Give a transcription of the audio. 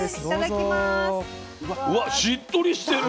わっしっとりしてる。